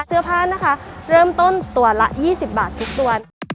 เสื้อผ้านะคะเริ่มต้นตัวละ๒๐บาททุกตัว